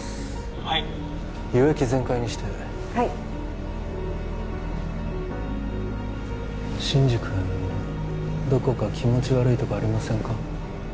はい輸液全開にしてはい真司君どこか気持ち悪いとこありませんか？